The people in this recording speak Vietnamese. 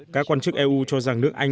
các quan chức eu cho rằng nước anh